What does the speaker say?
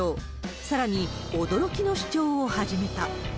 さらに、驚きの主張を始めた。